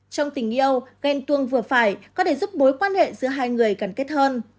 trong tình yêu ghen tuông vừa phải có thể giúp mối quan hệ giữa hai người cần kết hơn